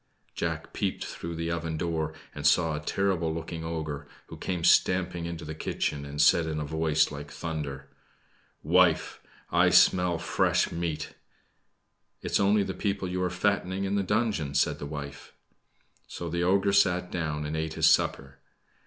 Jack peeped through the oven door, and saw a terrible looking ogre, who came stamping into the kitchen, and said in a voice like thunder "Wife, I smell fresh meat!" "It is only the people you are fattening in the dungeon," said the wife. So the ogre sat down and ate his supper.